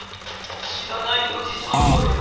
知らないおじさんぽよ！